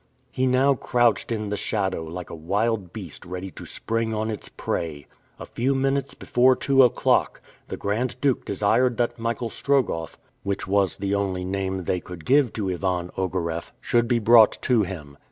He now crouched in the shadow, like a wild beast ready to spring on its prey. A few minutes before two o'clock, the Grand Duke desired that Michael Strogoff which was the only name they could give to Ivan Ogareff should be brought to him.